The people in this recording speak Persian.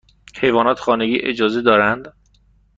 حیوانات خانگی اجازه دارند؟